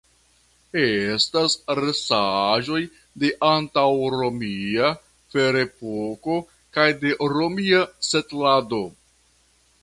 Estas restaĵoj de antaŭromia (ferepoko) kaj de romia setlado.